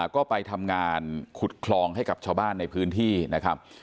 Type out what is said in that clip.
ก็ไปทำงานขุดคลองให้กับชาวบ้านในพื้นที่นะครับ